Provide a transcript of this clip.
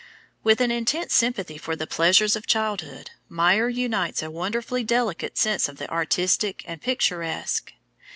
With an intense sympathy for all the pleasures of childhood, Meyer unites a wonderfully delicate sense of the artistic and picturesque.